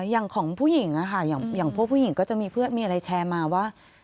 อย่างของผู้หญิงอย่างพวกผู้หญิงก็จะมีเพื่อนมีอะไรแชร์มาว่า